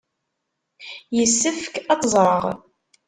Yessefk ad teẓreɣ.